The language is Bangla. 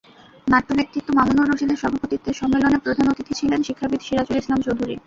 নাট্যব্যক্তিত্ব মামুনুর রশীদের সভাপতিত্বে সম্মেলনে প্রধান অতিথি ছিলেন শিক্ষাবিদ সিরাজুল ইসলাম চৌধুরী।